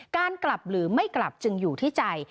การกลับหรือไม่กลับจึงอยู่ที่ใจ